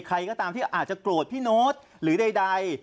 ใครก็ตามที่อาจจะโกรธพี่โน๊ตหรือใด